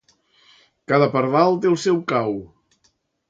Cada pardal té el seu cau.